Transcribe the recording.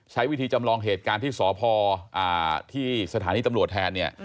ใช้วิธีจำลองเหตุการณ์ที่สพที่สถานีตำรวจแทนเนี่ย